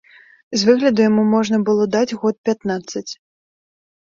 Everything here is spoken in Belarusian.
З выгляду яму можна было даць год пятнаццаць.